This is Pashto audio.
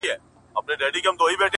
تل له نوي کفن کښه څخه ژاړي!!